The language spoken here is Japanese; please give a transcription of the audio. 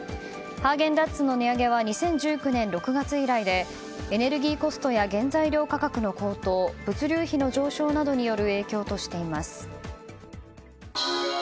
ハーゲンダッツの値上げは２０１９年６月以来でエネルギーコストや原材料価格の高騰物流費の上昇などによる影響としています。